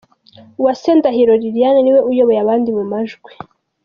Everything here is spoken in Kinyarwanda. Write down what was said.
Uwase Ndahiro Liliane ni we uyoboye abandi mu majwi.